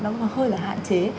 nó hơi là hạn chế